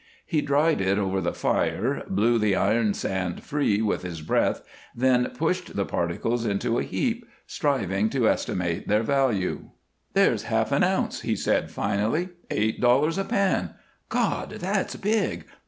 He dried it over the fire, blew the iron sand free with his breath, then pushed the particles into a heap, striving to estimate their value. "There's half an ounce," he said, finally. "Eight dollars a pan! God! that's big!